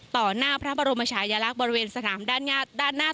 หน้าพระบรมชายลักษณ์บริเวณสนามด้านหน้า